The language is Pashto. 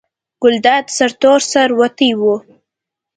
ګلداد سرتور سر وتی و.